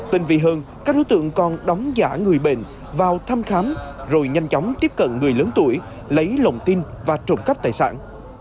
tinh vi hơn các đối tượng còn đóng giả người bệnh vào thăm khám rồi nhanh chóng tiếp cận người lớn tuổi lấy lòng tin và trộm cắp tài sản